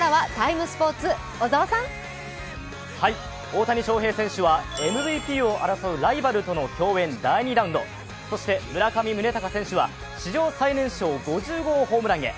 大谷翔平選手はＭＶＰを争うライバルと第２ラウンド、そして村上宗隆選手は史上最年少５０号ホームランへ。